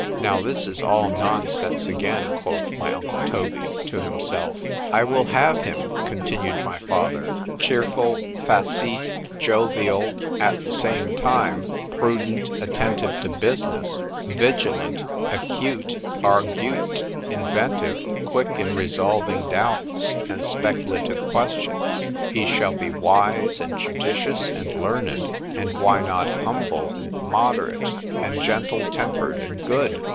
——Now this is all nonsense again, quoth my uncle Toby to himself.—— I will have him, continued my father, cheerful, faceté, jovial; at the same time, prudent, attentive to business, vigilant, acute, argute, inventive, quick in resolving doubts and speculative questions;——he shall be wise, and judicious, and learned:——And why not humble, and moderate, and gentle tempered, and good?